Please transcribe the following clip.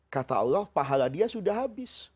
kata allah pahala dia sudah habis